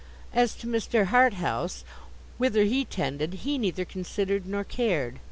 As to Mr. Harthouse, whither he tended, he neither considered nor cared.